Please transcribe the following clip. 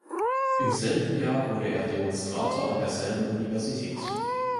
Im selben Jahr wurde er Demonstrator an derselben Universität.